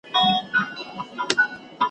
په لوی لاس چي مو پرې ایښي تر خالقه تللي لاري `